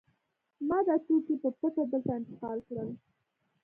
ما دا توکي په پټه دلته انتقال کړل